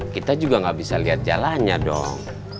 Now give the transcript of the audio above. kita juga gak bisa lihat jalannya dong